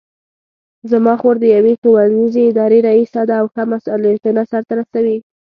زما خور د یوې ښوونیزې ادارې ریسه ده او ښه مسؤلیتونه سرته رسوي